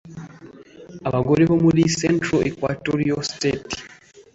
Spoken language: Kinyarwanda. Abagore bo muri Central Equatoria State